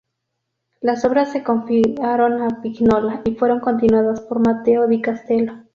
Las obras se confiaron a Vignola y fueron continuadas por Matteo di Castello.